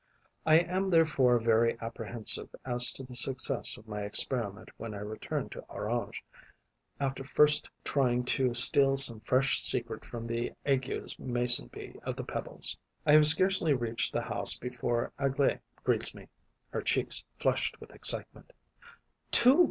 I am therefore very apprehensive as to the success of my experiment when I return to Orange, after first trying to steal some fresh secret from the Aygues Mason bee of the Pebbles. I have scarcely reached the house before Aglae greets me, her cheeks flushed with excitement: 'Two!'